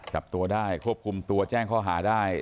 จับตัวได้ควบคุมตัวแจ้งข้อหาได้